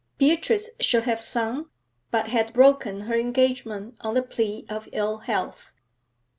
Beatrice should have sung, but had broken her engagement on the plea of ill health.